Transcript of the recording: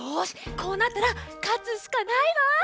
こうなったらかつしかないわ。